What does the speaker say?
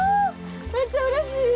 めっちゃうれしい！